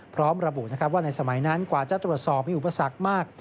พร้อมระบุว่าในสมัยนั้นกว่าจะตรวจสอบมีอุปสรรคมาก